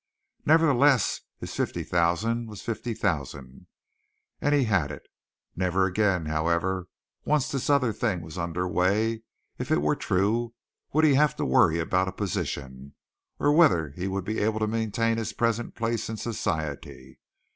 Nevertheless, his fifty thousand was fifty thousand, and he had it. Never again, however, once this other thing was under way, if it were true, would he have to worry about a position, or whether he would be able to maintain his present place in society.